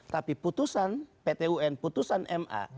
tapi putusan ptun putusan ma